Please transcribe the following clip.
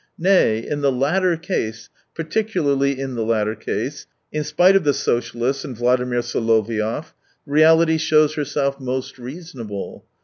Nay, in the latter case, particularly in the latter case, in spite of the socialists and VI. Soloviov, reality shows herself most reasonable.